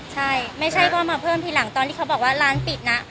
ใช่ไม่ใช่ก็มาเพิ่มทีหลังตอนที่เขาบอกว่าร้านปิดนะ